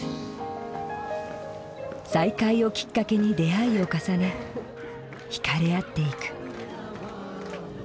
再会をきっかけに出会いを重ね引かれ合っていく。